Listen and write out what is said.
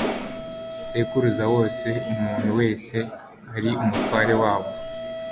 sekuruza wose umuntu wese ari umutware wabo